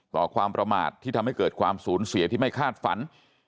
ต่อความประมาทที่ทำให้เกิดความสูญเสียที่ไม่คาดฝัน